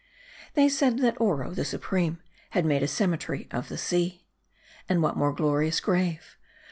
They said that Oro, the supreme, had made a cemetery of the sea. And what more glorious grave